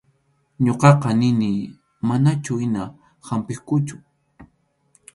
Ñuqaqa nini manachu hina hampiqkuchu.